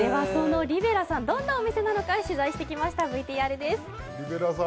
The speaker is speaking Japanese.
そのリベラさん、どんなお店なのか取材してまいりました。